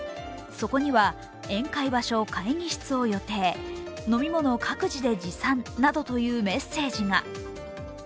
そこには、宴会場所、会議室を予定飲み物、各自で持参などというメッセージが。